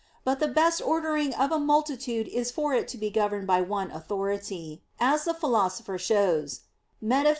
But the best ordering of a multitude is for it to be governed by one authority, as the Philosopher shows (Metaph.